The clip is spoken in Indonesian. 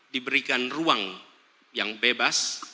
diberikan ruang yang bebas